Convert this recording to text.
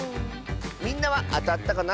みんなはあたったかな？